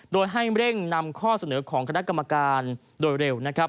โดยให้เร่งนำข้อเสนอของคณะกรรมการโดยเร็วนะครับ